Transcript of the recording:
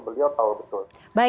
beliau tahu betul